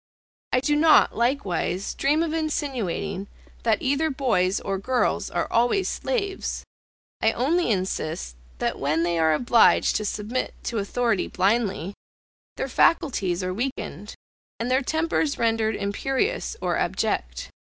I do not, likewise, dream of insinuating that either boys or girls are always slaves, I only insist, that when they are obliged to submit to authority blindly, their faculties are weakened, and their tempers rendered imperious or abject.